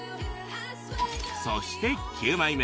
そして９枚目。